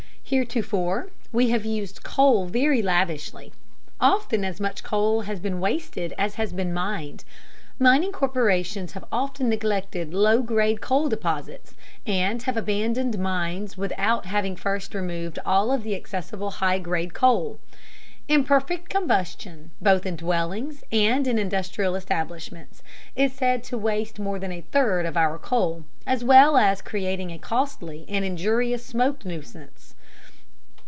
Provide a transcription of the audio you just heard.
Heretofore we have used coal very lavishly. Often as much coal has been wasted as has been mined. Mining corporations have often neglected low grade coal deposits, and have abandoned mines without having first removed all of the accessible high grade coal. Imperfect combustion, both in dwellings and in industrial establishments, is said to waste more than a third of our coal, as well as creating a costly and injurious smoke nuisance.